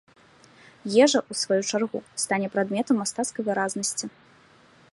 Ежа, у сваю чаргу, стане прадметам мастацкай выразнасці.